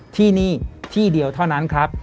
ที่นี่ที่เดียวเท่านั้นครับ